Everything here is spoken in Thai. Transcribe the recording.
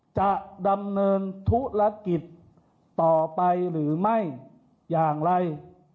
จะดำเนินธุรกิจต่อไปหรือไม่อย่างไร